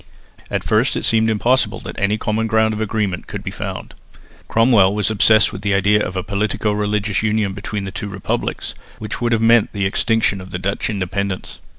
At first it seemed impossible that any common ground of agreement could be found. Cromwell was obsessed with the idea of a politico religious union between the two republics, which would have meant the extinction of Dutch independence.